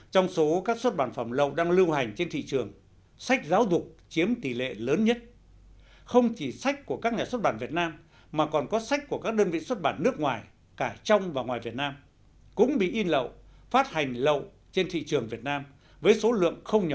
trong số các xuất bản phẩm lậu đang lưu hành trên thị trường sách giáo dục chiếm tỷ lệ lớn nhất không chỉ sách của các nhà xuất bản việt nam mà còn có sách của các đơn vị xuất bản nước ngoài cả trong và ngoài việt nam cũng bị in lậu phát hành lậu trên thị trường việt nam với số lượng không nhỏ